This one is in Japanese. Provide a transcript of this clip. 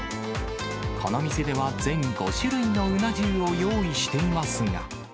この店では全５種類のうな重を用意していますが。